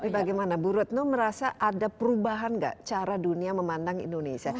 bagaimana bu retno merasa ada perubahan nggak cara dunia memandang indonesia